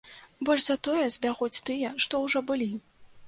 Больш за тое, збягуць тыя, што ўжо былі.